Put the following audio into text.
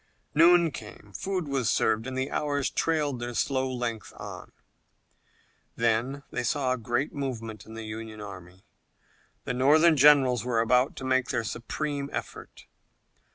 Noon came, food was served, and the hours trailed their slow length on. Then they saw a great movement in the Union army. The Northern generals were about to make their supreme effort.